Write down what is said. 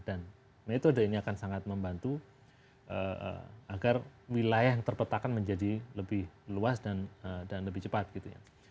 dan metode ini akan sangat membantu agar wilayah yang terpetakan menjadi lebih luas dan lebih cepat gitu ya